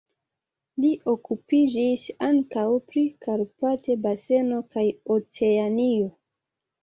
Li okupiĝis ankaŭ pri Karpat-baseno kaj Oceanio.